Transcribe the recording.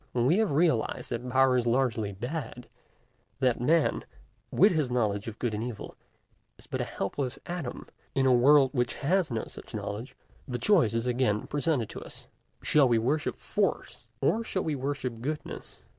When we have realized that Power is largely bad, that man, with his knowledge of good and evil, is but a helpless atom in a world which has no such knowledge, the choice is again presented to us: Shall we worship Force, or shall we worship Goodness?